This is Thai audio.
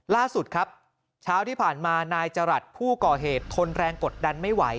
ล่าสุดครับเช้าที่ผ่านมานายจรัสผู้ก่อเหตุทนแรงกดดันไม่ไหว